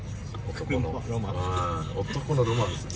男のロマンです。